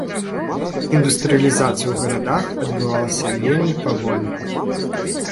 Індустрыялізацыя ў гарадах адбывалася вельмі павольна.